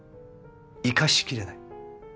生かしきれない。